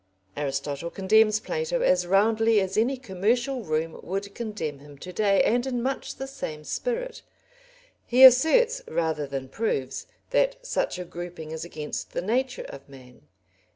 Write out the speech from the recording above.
Aristotle condemns Plato as roundly as any commercial room would condemn him to day, and in much the same spirit; he asserts rather than proves that such a grouping is against the nature of man.